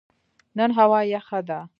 نن هوا یخه ده